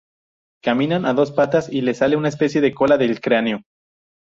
Caminan a dos patas y les sale una especie de cola del cráneo.